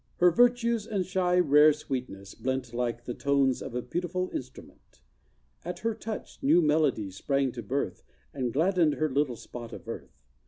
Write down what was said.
Her virtues and shy, rare sweetness blent Like the tones of a beautiful instrument. At her touch, new melodies sprang to birth, And gladdened her little spot of earth.